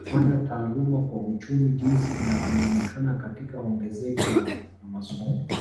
Kufanywa taaluma kwa uchumi jinsi inavyoonekana katika ongezeko la masomo